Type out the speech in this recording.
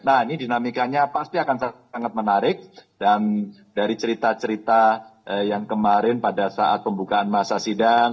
nah ini dinamikanya pasti akan sangat menarik dan dari cerita cerita yang kemarin pada saat pembukaan masa sidang